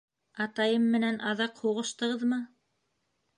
— Атайым менән аҙаҡ һуғыштығыҙмы?